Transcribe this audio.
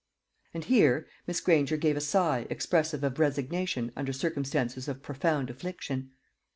And here Miss Granger gave a sigh expressive of resignation under circumstances of profound affliction.